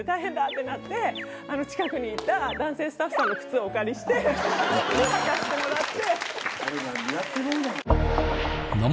近くにいた男性スタッフさんの靴お借りして履かせてもらって。